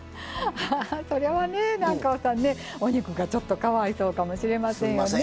それはね南光さんねお肉がちょっとかわいそうかもしれませんね。